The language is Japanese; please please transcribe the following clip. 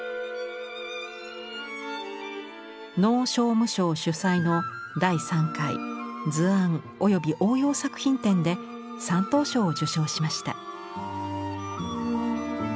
農商務省主催の第３回図案及応用作品展で３等賞を受賞しました。